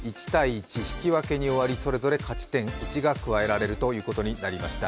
１−１、引き分けに終わり、それぞれ勝ち点１が加えられるということになりました。